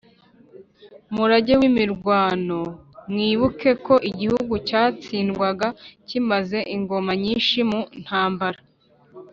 murage w’imirwano. mwibuke ko igihugu cyatsindwaga kimaze ingoma nyinshi mu ntambara,